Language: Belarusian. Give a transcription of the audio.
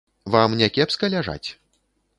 Вам не кепска ляжаць?